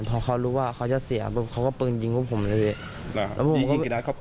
พอนรู้ว่าเขาจะเสียมึงเขาก็ปืนยิงพวกผมนะพี่